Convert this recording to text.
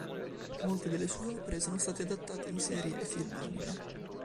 Molte delle sue opere sono state adattate in serie e film anime.